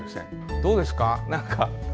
どうですか？